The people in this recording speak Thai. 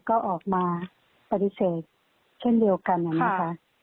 ก็ออกมาปฏิเสธเช่นเดียวกันนะคะ